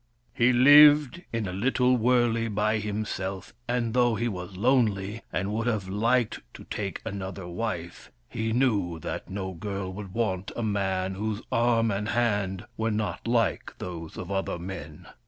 He lived in a little wurley by himself, and though he was lonely, and would have liked to take another wife, he knew that no girl would want a man whose arm and hand were not like those of other men.